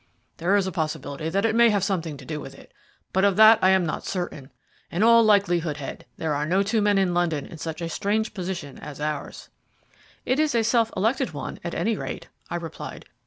"There is a possibility that it may have something to do with it, but of that I am not certain. In all likelihood, Head, there are no two men in London in such a strange position as ours." "It is a self elected one, at any rate," I replied.